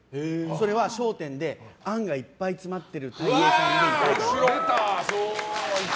それは「笑点」であんがいっぱい詰まってるたい平さんでいたいから。